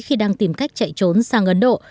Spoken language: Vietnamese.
khi đang tìm cách chạy trốn sang ấn độ